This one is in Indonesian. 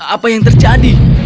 apa yang terjadi